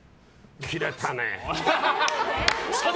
キレたね！